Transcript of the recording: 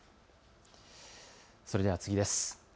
それでは次です。